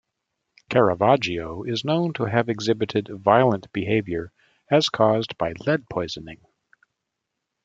Caravaggio is known to have exhibited violent behavior, as caused by lead poisoning.